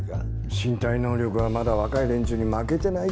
身体能力はまだ若い連中に負けてないって事だ。